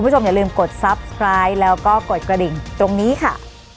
สวัสดีค่ะ